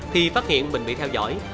thì phát hiện mình bị theo dõi